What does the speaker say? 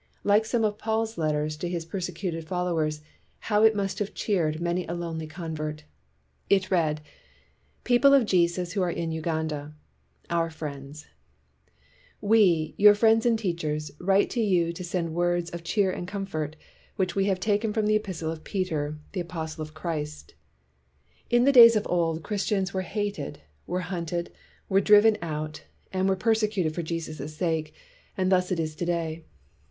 Like some of Paul's letters to his persecuted follow ers, how it must have cheered many a lonely convert ! It read :" People op Jesus who are in Uganda "Our Friends: — We, your friends and teachers, write to you to send you words of cheer and comfort, which we have taken from the Epistle of Peter, the apostle of 246 STURDY BLACK CHRISTIANS Christ. In days of old, Christians were hated, were hunted, were driven out, and were persecuted for Jesus' sake; and thus it is to day.